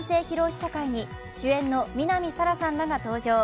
試写会に主演の南沙良さんらが登場。